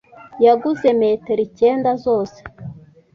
yaguze metero icyenda zose.